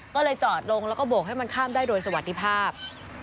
ก็เลยจอดลงแล้วก็โบกให้มันข้ามได้โดยสวัสดีภาพ